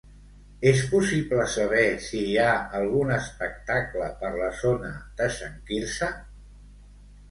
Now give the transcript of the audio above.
És possible saber si hi ha algun espectacle per la zona de Sant Quirze?